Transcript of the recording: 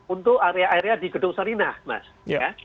untuk area area di gedung sarinah mas ya